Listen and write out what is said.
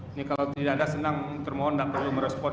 ini kalau tidak ada senang termohon tidak perlu merespon